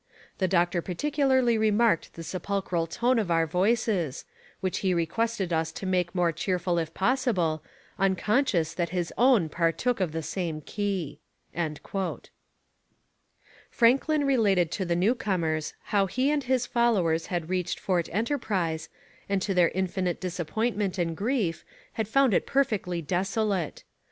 The doctor particularly remarked the sepulchral tone of our voices, which he requested us to make more cheerful if possible, unconscious that his own partook of the same key.' Franklin related to the new comers how he and his followers had reached Fort Enterprise, and to their infinite disappointment and grief had found it perfectly desolate.